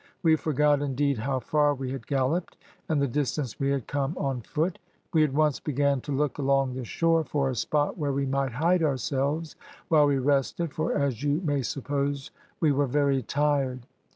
We forgot, indeed, how far we had galloped, and the distance we had come on foot. We at once began to look along the shore for a spot where we might hide ourselves while we rested, for, as you may suppose, we were very tired.